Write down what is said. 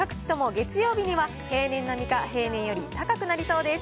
月曜日には平年並みか平年より高くなりそうです。